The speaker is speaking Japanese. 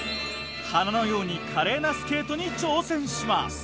花のように華麗なスケートに挑戦します。